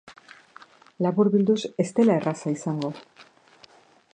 Laburbilduz, ez dela erraza izango.